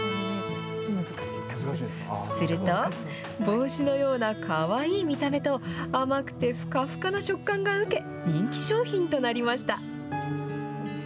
すると、帽子のようなかわいい見た目と、甘くてふかふかな食感がうけ、人気商品となりました。